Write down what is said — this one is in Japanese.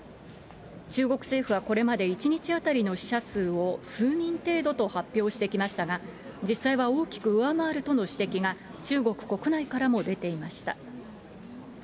中国政府はこれまで１日当たりの死者数を数人程度と発表してきましたが、実際は大きく上回るとの指摘が、中国国内からも出ていました。